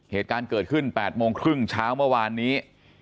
เหตุการณ์เกิดขึ้น๘โมงครึ่งเช้าเมื่อวานนี้